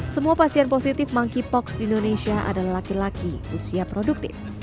semua pasien positif monkeypox di indonesia adalah laki laki usia produktif